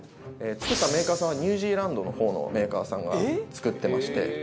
作ったメーカーさんはニュージーランドの方のメーカーさんが作ってまして。